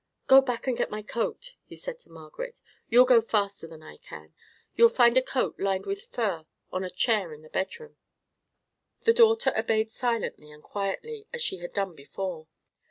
"Go back and get me my coat," he said to Margaret; "you'll go faster than I can. You'll find a coat lined with fur on a chair in the bedroom." His daughter obeyed, silently and quietly, as she had done before.